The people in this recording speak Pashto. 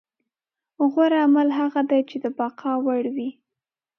غوره عمل هغه دی چې د بقا وړ وي.